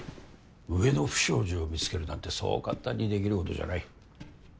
上の不祥事を見つけるなんてそう簡単に出来ることじゃない。